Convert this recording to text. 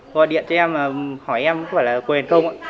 qua điện cho em hỏi em có phải là quyền không ạ